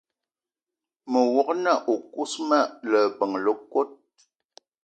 Me wog-na o kousma leben le kot